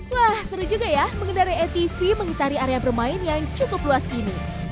wah seru juga ya mengendarai atv mengitari area bermain yang cukup luas ini